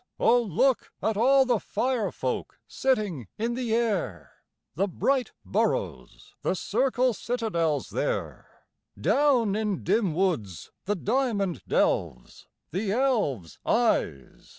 O look at all the fire folk sitting in the air! The bright boroughs, the circle citadels there! Down in dim woods the diamond delves! the elves' eyes!